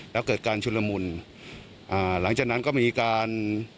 แล้วเกิดการชุดละมุนอ่าหลังจากนั้นก็มีการ